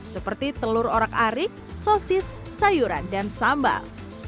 seperti telur orak arik sosis sayuran dan sambal